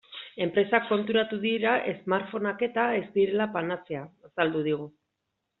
Enpresak konturatu dira smartphoneak-eta ez direla panazea, azaldu digu.